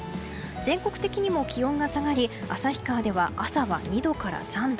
全国的にも気温が下がり旭川では朝は２度から３度。